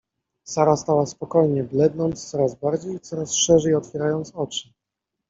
Sara stała spokojnie, blednąc coraz bardziej i coraz szerzej otwierając oczy.